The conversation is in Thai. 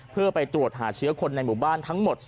เพื่อไปตรวจหาเชื้อคนในหมู่บ้านทั้งหมด